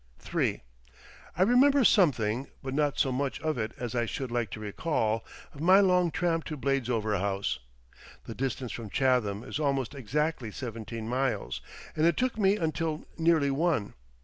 III I remember something, but not so much of it as I should like to recall, of my long tramp to Bladesover House. The distance from Chatham is almost exactly seventeen miles, and it took me until nearly one.